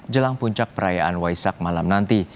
jelang puncak perayaan waisak malam nanti